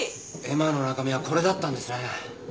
絵馬の中身はこれだったんですね。